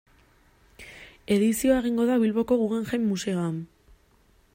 Edizioa egingo da Bilboko Guggenheim museoan.